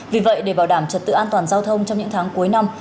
vì vậy để bảo đảm trật tự an toàn giao thông trong những tháng cuối năm